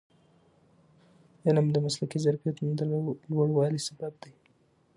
علم د مسلکي ظرفیتونو د لوړوالي سبب دی.